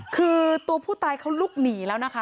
คือตัวผู้ตายเขาลุกหนีแล้วนะคะ